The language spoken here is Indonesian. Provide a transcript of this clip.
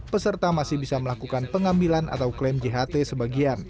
peserta masih bisa melakukan pengambilan atau klaim jht sebagian